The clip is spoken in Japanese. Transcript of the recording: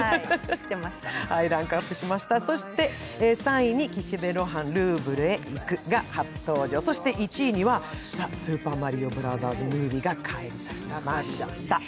ランクアップしましたそして３位に「岸辺露伴ルーヴルへ行く」そして１位には「ザ・スーパーマリオブラザーズ・ムービー」が返り咲きました。